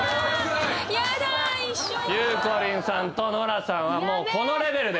ゆうこりんさんとノラさんはこのレベルです。